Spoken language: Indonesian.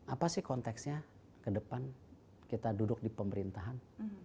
apa sih konteksnya ke depan kita duduk di pemerintahan